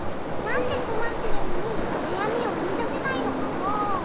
なんでこまってるのになやみをいいだせないのかな？